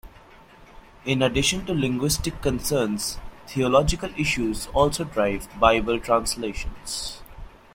In addition to linguistic concerns, theological issues also drive Bible translations.